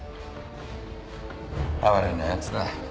哀れなやつだ